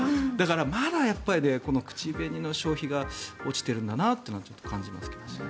まだ口紅の消費が落ちているんだなと感じますけどね。